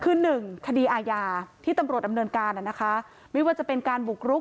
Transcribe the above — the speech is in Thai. คือหนึ่งคดีอาญาที่ตำรวจดำเนินการนะคะไม่ว่าจะเป็นการบุกรุก